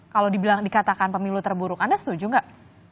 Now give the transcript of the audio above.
kalau dikatakan pemilu terburuk anda setuju gak